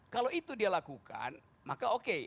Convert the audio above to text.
kalau itu dia lakukan maka dia akan diterima